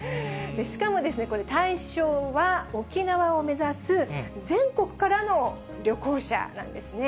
しかもですね、これ、対象は沖縄を目指す全国からの旅行者なんですね。